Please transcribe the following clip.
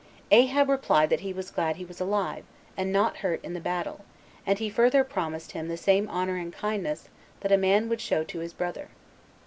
Ahab replied he was glad that he was alive, and not hurt in the battle; and he further promised him the same honor and kindness that a man would show to his brother.